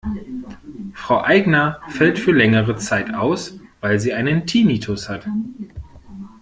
Frau Aigner fällt für längere Zeit aus, weil sie einen Tinnitus hat.